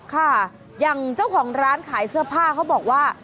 ค่ะอย่างเจ้าของร้านขายเสื้อผ้าเขาบอกว่า